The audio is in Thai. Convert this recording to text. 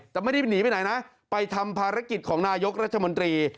แต่ไม่ได้หนีไปไหนนะไปทำภารกิจของนายกรัฐมนตรี